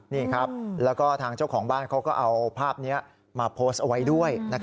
นี่ครับแล้วก็ทางเจ้าของบ้านเขาก็เอาภาพนี้มาโพสต์เอาไว้ด้วย